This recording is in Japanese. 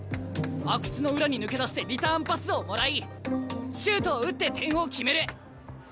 阿久津の裏に抜け出してリターンパスをもらいシュートを打って点を決める！